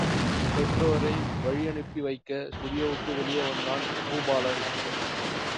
பெற்றோரை வழியனுப்பி வைக்க ஸ்டுடியோவுக்கு வெளியே வந்தான் பூபாலன்.